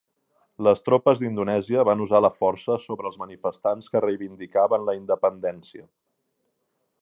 Les tropes d'Indonèsia van usar la força sobre els manifestants que reivindicaven la independència.